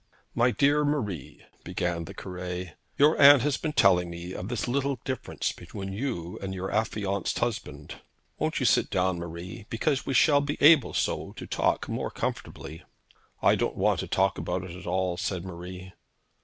'My dear Marie,' began the Cure, 'your aunt has been telling me of this little difference between you and your affianced husband. Won't you sit down, Marie, because we shall be able so to talk more comfortably?' 'I don't want to talk about it at all,' said Marie.